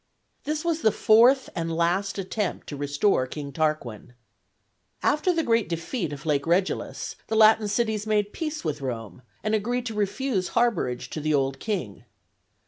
This was the fourth and last attempt to restore King Tarquin. After the great defeat of Lake Regillus, the Latin cities made peace with Rome, and agreed to refuse harborage to the old king.